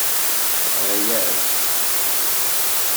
Teɣṛa-yas.